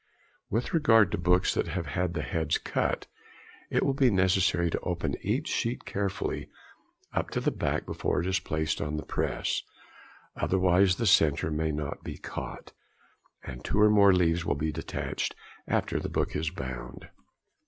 With regard to books that have had the heads cut, it will be necessary to open each sheet carefully up to the back before it is placed on the press, otherwise the centre may not be caught, and two or more leaves will be detached after the book is bound.